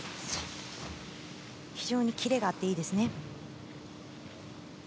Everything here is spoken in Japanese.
非常にキレがあっていいですね。